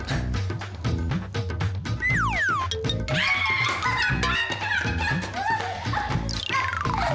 tidak ada yang bisa dihentikan